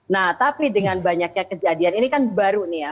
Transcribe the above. nah tapi dengan banyaknya kejadian ini kan baru nih ya